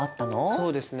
そうですね。